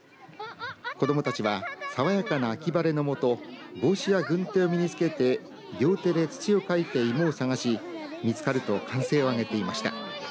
子どもたちは爽やかな秋晴れの下帽子や軍手を身につけて両手で土をかいて芋を探し見つかると歓声を上げていました。